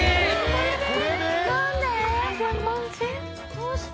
どうして？